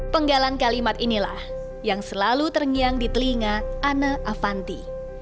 penggalan kalimat inilah yang selalu terngiang di telinga ana avanti